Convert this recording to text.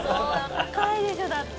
高いですよだって。